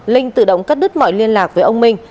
linh tự động cắt đứt mọi liên lạc với ông minh